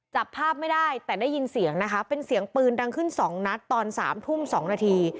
จับภาพไม่ได้แต่ได้ยินเสียงนะคะเป็นเสียงปืนดังขึ้น๒นัดตอน๓ทุ่ม๒นาที